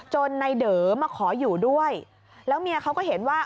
ในเด๋อมาขออยู่ด้วยแล้วเมียเขาก็เห็นว่า